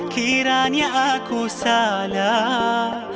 kiranya aku salah